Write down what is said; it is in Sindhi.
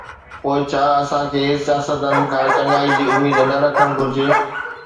پوءِ ڇا اسان کي سياستدانن کان چڱائيءَ جي اميد نه رکڻ گھرجي؟